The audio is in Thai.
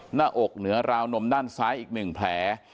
หน้าอกเหนือราวนมด้านซ้ายอีก๑แผล